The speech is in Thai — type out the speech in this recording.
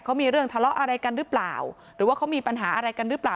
เขามีเรื่องทะเลาะอะไรกันหรือเปล่าหรือว่าเขามีปัญหาอะไรกันหรือเปล่า